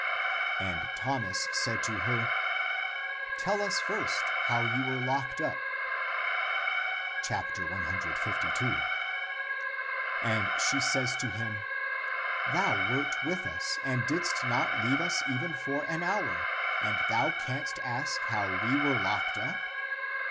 And Thomas said to her, " Tell us first how you were locked up." 152. And she says to him, " Thou wert with us, and didst not leave us even for an hour, and thou canst ask how we were locked up?